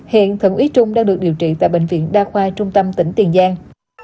hiện thượng úy trung đang được điều trị tại bệnh viện đa khoa trung tâm tỉnh tiền giang